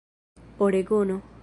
oregono